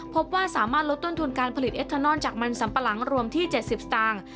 พบว่าสามารถลดต้นทุนการผลิตเอทานอนจากมันสัมปะหลังรวมที่๗๐สตางค์